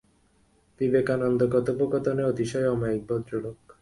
বিবে কানন্দ কথোপকথনে অতিশয় অমায়িক ভদ্রলোক।